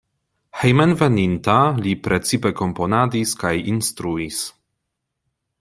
Hejmenveninta li precipe komponadis kaj instruis.